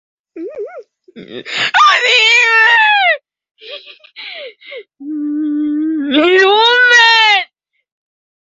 Esta película estuvo dirigida por el italiano Mario Costa.